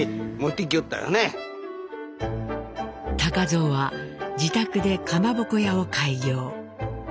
蔵は自宅でかまぼこ屋を開業。